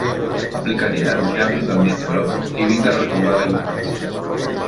Aplicaria els llavis al dit gros i vinga a recordar la infància.